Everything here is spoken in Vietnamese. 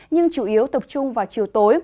nhưng chủ yếu tập trung vào chiều tối